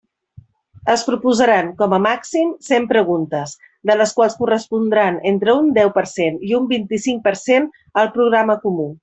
Es proposaran, com a màxim, cent preguntes, de les quals correspondran entre un deu per cent i un vint-i-cinc per cent al programa comú.